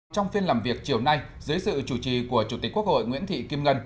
trong phiên làm việc chiều nay dưới sự chủ trì của chủ tịch quốc hội nguyễn thị kim ngân